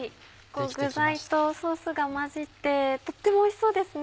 具材とソースが混じってとってもおいしそうですね！